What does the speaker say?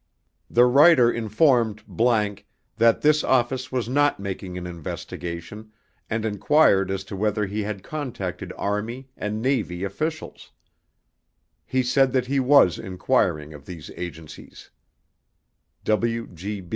The writer informed ____ that this office was not making an investigation and inquired as to whether he had contacted Army and Navy officials. He said that he was inquiring of these agencies.